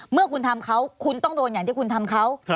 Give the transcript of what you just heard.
เมื่อคุณทำเขาคุณต้องโดนอย่างที่คุณทำเขา